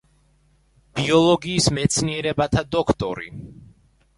ბიოლოგიის მეცნიერებათა დოქტორი.